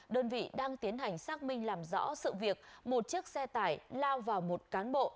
đơn vị đang tiến hành xác minh làm rõ sự việc một chiếc xe tải lao vào một cán bộ